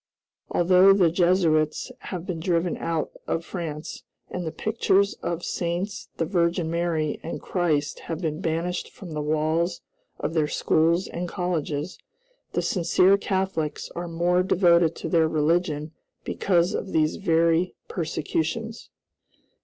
Although the Jesuits have been driven out of France, and the pictures of Saints, the Virgin Mary, and Christ, have been banished from the walls of their schools and colleges, the sincere Catholics are more devoted to their religion because of these very persecutions.